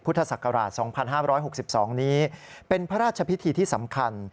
พุทธศักราช๒๕๖๒นี้เป็นพระราชพิธีที่สำคัญ